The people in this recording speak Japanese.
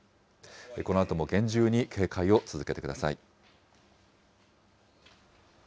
このあとも厳重に警戒を続けてください。